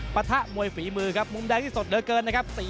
ปะทะมวยฝีมือครับมุมแดงนี่สดเหลือเกินนะครับ